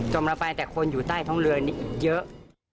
เราไปแต่คนอยู่ใต้ท้องเรือนี่เยอะ